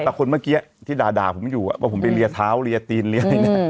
แต่คนเมื่อกี้ที่ด่าผมอยู่ว่าผมไปเรียเท้าเรียตีนเรียเนี่ย